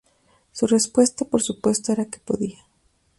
Su respuesta, por supuesto, era que podía.